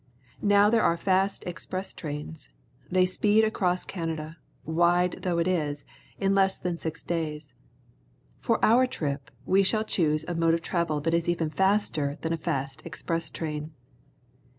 Now there are fast express trains. They speed across Canada, wide though it is, in less than six days. For our trip wv shall choose a mode of travel that This Aeroplane F.3 Flying Boat is even faster than a fast express train.